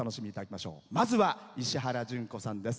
まずは、石原詢子さんです。